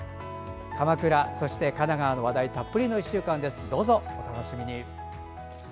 鎌倉、そして神奈川の話題たっぷりの１週間どうぞお楽しみに！